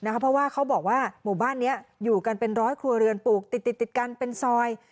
เพราะว่าเขาบอกว่าหมู่บ้านนี้อยู่กันเป็นร้อยครัวเรือนปลูกติดกันเป็นซอย